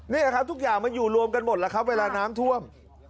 นี่แหละครับทุกอย่างมันอยู่รวมกันหมดแล้วครับเวลาน้ำท่วม